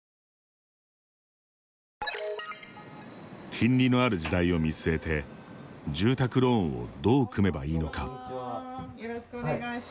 金利のある時代を見据えて住宅ローンをどう組めばいいのか。